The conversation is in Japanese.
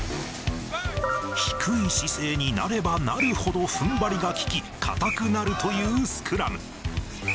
低い姿勢になればなるほどふんばりが効き、堅くなるというスクラム。